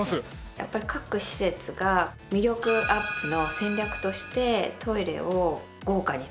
やっぱり各施設が魅力アップの戦略としてトイレを豪華に作るというか。